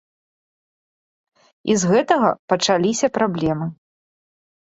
І з гэтага пачаліся праблемы.